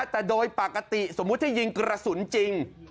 แต่โดยปกติสมมุติถ้ายิงกระสุนจริง